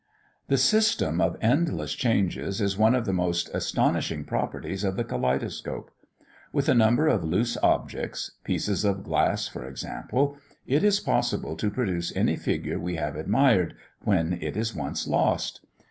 The system of endless changes is one of the most astonishing properties of the Kaleidoscope. With a number of loose objects pieces of glass, for example, it is possible to reproduce any figure we have admired, when it is once lost.